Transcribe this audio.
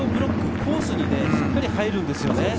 コースにしっかり入るんですよね。